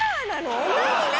何？